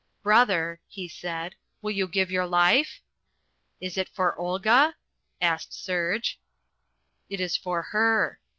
"Brother," he said, "will you give your life?" "Is it for Olga?" asked Serge. "It is for her."